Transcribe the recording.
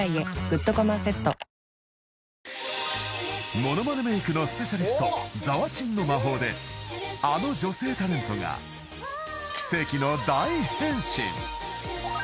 ［ものまねメイクのスペシャリストざわちんの魔法であの女性タレントが奇跡の大変身］